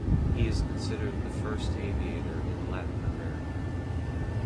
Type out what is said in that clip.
He is considered the first aviator in Latin America.